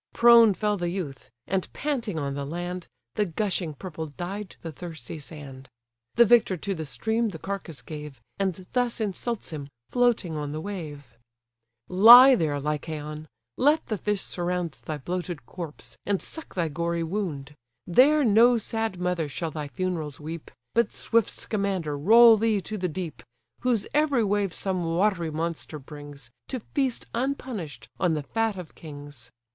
Prone fell the youth; and panting on the land, The gushing purple dyed the thirsty sand. The victor to the stream the carcase gave, And thus insults him, floating on the wave: "Lie there, Lycaon! let the fish surround Thy bloated corpse, and suck thy gory wound: There no sad mother shall thy funerals weep, But swift Scamander roll thee to the deep, Whose every wave some watery monster brings, To feast unpunish'd on the fat of kings.